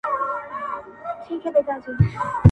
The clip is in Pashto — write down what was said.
o د مسلمانانو زړونه سره سوري وي!